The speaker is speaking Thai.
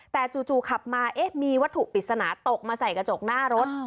แต่จู่ขับมาเอ๊ะมีวัตถุปริศนาตกมาใส่กระจกหน้ารถ